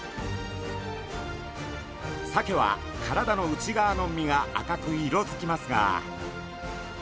サケは体の内側の身が赤く色づきますが。